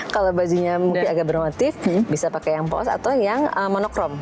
kalau bajunya mungkin agak bermotif bisa pakai yang post atau yang monokrom